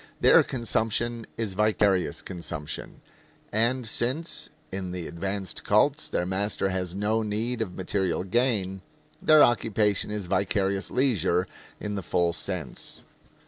Their consumption is vicarious consumption; and since, in the advanced cults, their master has no need of material gain, their occupation is vicarious leisure in the full sense.